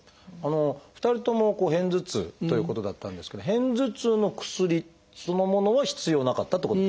２人とも片頭痛ということだったんですけど片頭痛の薬そのものは必要なかったってことですか？